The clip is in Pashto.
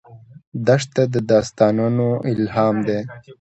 دښته د داستانونو الهام ده.